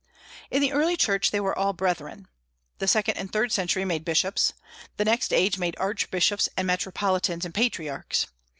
In the early Church they were all brethren. The second and third century made bishops. The next age made archbishops and metropolitans and patriarchs.